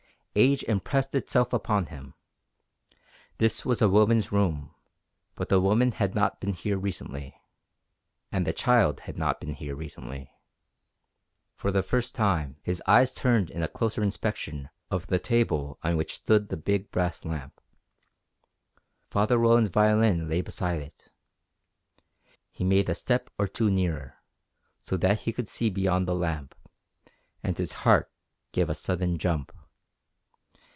Age impressed itself upon him. This was a woman's room, but the woman had not been here recently. And the child had not been here recently. For the first time his eyes turned in a closer inspection of the table on which stood the big brass lamp. Father Roland's violin lay beside it. He made a step or two nearer, so that he could see beyond the lamp, and his heart gave a sudden jump.